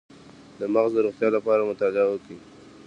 د مغز د روغتیا لپاره مطالعه وکړئ